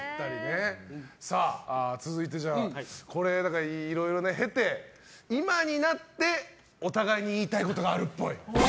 続いて、いろいろ経て今になってお互いに言いたいことがあるっぽい。